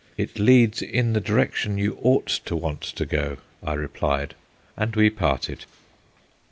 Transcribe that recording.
"It leads in the direction you ought to want to go," I replied, and we parted.